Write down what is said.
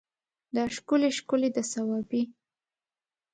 دا ښکلي ښکلي د صوابی